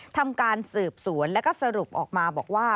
ทำการสืบสวนแล้วก็สรุปออกมาบอกว่า